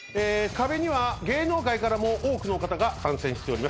壁には芸能界からも多くの方が参戦しております。